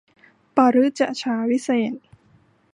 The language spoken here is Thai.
ปฤจฉาวิเศษณ์